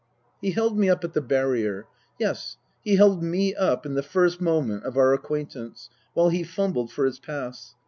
He held me up at the barrier (yes, he held me up in the first moment of our acquaintance) while he fumbled for his pass.